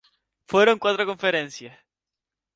Fueron cuatro conferencias.